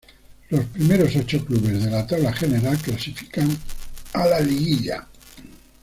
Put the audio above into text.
Los primeros ocho clubes de la tabla general clasifican a la liguilla.